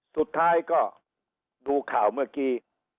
สุดท้ายก็ดูข่าวเมื่อกี้